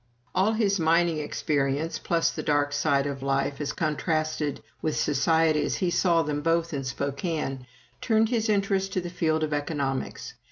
All his mining experience, plus the dark side of life, as contrasted with society as he saw them both in Spokane, turned his interest to the field of economics.